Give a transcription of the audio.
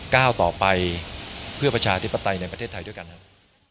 ก้าวต่อไปเพื่อประชาธิปไตยในประเทศไทยด้วยกันครับ